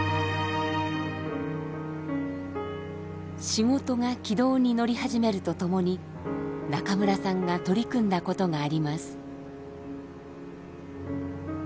仕事が軌道に乗り始めるとともに中村さんが取り組んだことがあります。